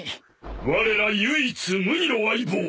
われら唯一無二の相棒。